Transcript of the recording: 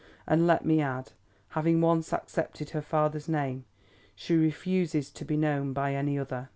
And, let me add, having once accepted her father's name, she refuses to be known by any other.